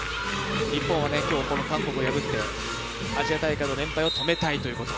日本は今日この韓国を破ってアジア大会の連敗を止めたいということ。